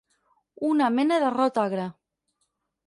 Una mena de rot agre.